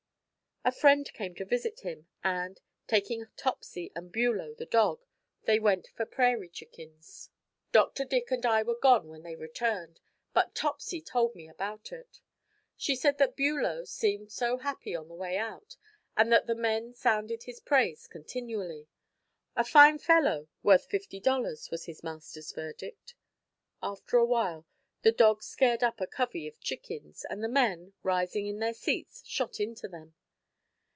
A friend came to visit him, and, taking Topsy and Bulow, the dog, they went for prairie chickens. Dr. Dick and I were gone when they returned, but Topsy told me about it. She said that Bulow seemed so happy on the way out, and that the men sounded his praise continually. "A fine fellow, worth fifty dollars," was his master's verdict. After a while the dog scared up a covey of chickens, and the men rising in their seats shot into them.